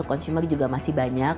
consumer juga masih banyak